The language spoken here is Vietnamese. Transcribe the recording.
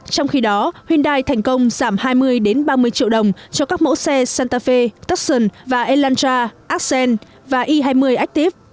trong khi đó hyundai thành công giảm hai mươi ba mươi triệu đồng cho các mẫu xe santa fe tucson và elantra accent và y hai mươi active